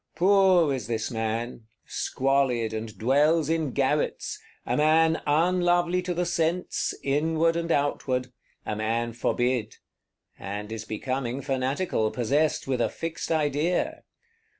Poor is this man; squalid, and dwells in garrets; a man unlovely to the sense, outward and inward; a man forbid;—and is becoming fanatical, possessed with fixed idea.